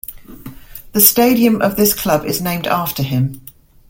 The stadium of this club is named after him.